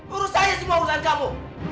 urus saya semua urusan kamu